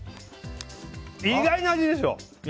意外な味でしょ。